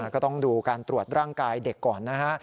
ก็ต้องดูการตรวจร่างกายเด็กก่อนนะฮะ